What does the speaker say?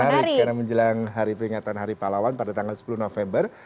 menarik karena menjelang hari peringatan hari pahlawan pada tanggal sepuluh november